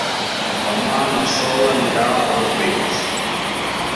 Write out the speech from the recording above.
Demà na Sol anirà a Dosrius.